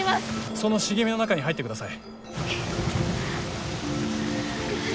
その茂みの中に入ってください。